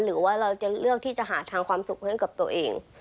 หรือว่าเราจะเลือกที่จะหาทางความสุขให้กับตัวเอง